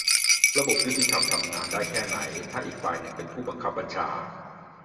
- ระบบยุติธรรมทำงานได้แค่ไหนถ้าฝ่ายหนึ่งเป็นผู้บังคับบัญชา